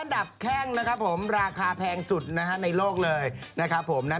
ดับแข้งนะครับผมราคาแพงสุดนะฮะในโลกเลยนะครับผมนะ